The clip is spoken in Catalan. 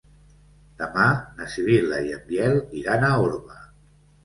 Demà na Sibil·la i en Biel iran a Orba.